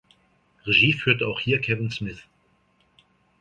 Regie führte auch hier Kevin Smith.